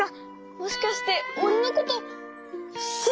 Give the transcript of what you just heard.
もしかしておれのことす。